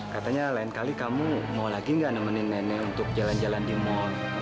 katanya lain kali kamu mau lagi nggak nemenin nenek untuk jalan jalan di mal